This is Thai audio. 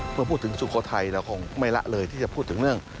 เมื่อพูดถึงสุโขทัยเราคงไม่ละเลยที่จะพูดถึงเรื่อง